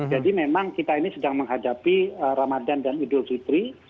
jadi memang kita ini sedang menghadapi ramadan dan idul fitri